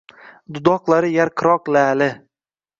Dudoqlari yarqiroq la’li